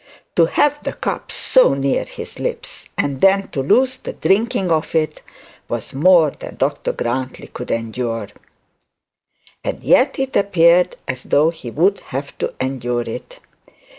To have the cup so near his lips and then to lose the drinking of it, was more than Dr Grantly could endure. And yet it appears as though he would have to endure it.